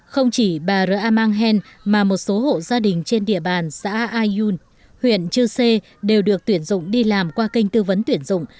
không chỉ bà r a mang hen mà một số hộ gia đình trên địa bàn xã ayun huyện chư sê đều được tuyển dụng đi làm qua kênh tư vấn tuyển dụng